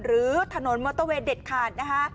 หรือถนนมอเตอร์เวย์เด็ดขาดนะคะ